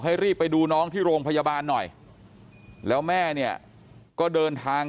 ให้รีบไปดูน้องที่โรงพยาบาลหน่อยแล้วแม่เนี่ยก็เดินทาง